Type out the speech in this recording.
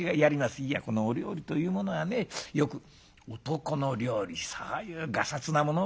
いやこのお料理というものはねよく男の料理そういうがさつなものはお料理とは言いませんよ。